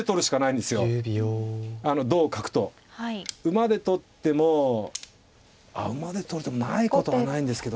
馬で取ってもあ馬で取る手もないことはないんですけど。